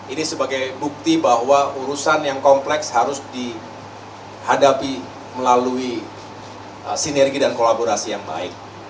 ini sebagai bukti bahwa urusan yang kompleks harus dihadapi melalui sinergi dan kolaborasi yang baik